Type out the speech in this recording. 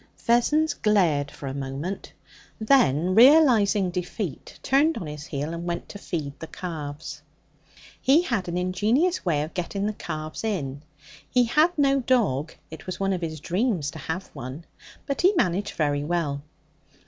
Vessons glared for a moment; then, realizing defeat, turned on his heel and went to feed the calves. He had an ingenious way of getting the calves in. He had no dog; it was one of his dreams to have one. But he managed very well.